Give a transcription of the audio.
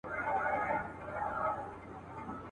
بې مشاله مي رویباره چي رانه سې,